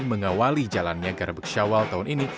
mengawali jalannya garabek syawal tahun ini